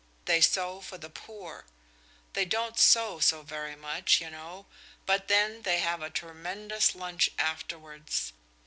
They sew for the poor; they don't sew so very much, you know; but then they have a tremendous lunch afterwards.